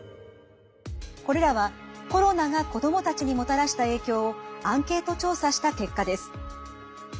これらはコロナが子どもたちにもたらした影響をアンケート調査した結果です。